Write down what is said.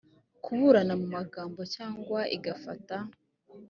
kuburana mu magambo cyangwa igafata